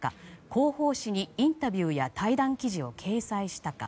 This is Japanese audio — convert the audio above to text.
広報誌にインタビューや対談記事を掲載したか。